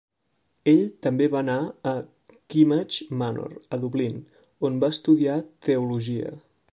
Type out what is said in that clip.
Ell també va anar a Kimmage Manor, a Dublín, on va estudiar Teologia.